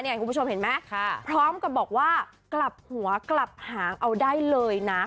คุณผู้ชมเห็นไหมพร้อมกับบอกว่ากลับหัวกลับหางเอาได้เลยนะ